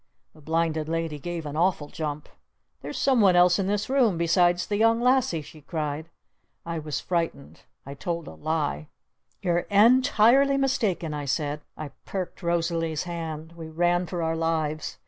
The Blinded Lady gave an awful jump! "There's someone else in this room besides the Young Lassie!" she cried. I was frightened. I told a lie. "You're en tirely mistaken!" I said. I perked Rosalee's hand. We ran for our lives.